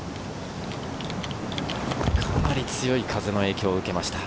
かなり強い風の影響を受けました。